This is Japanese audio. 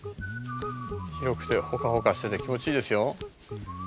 「広くてホカホカしてて気持ちいいですよ」